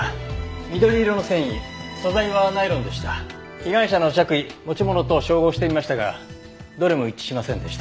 被害者の着衣持ち物と照合してみましたがどれも一致しませんでした。